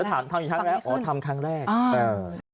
จะถามอีกครั้งแล้วอ๋อทำครั้งแรกอ๋อทำไม่ขึ้น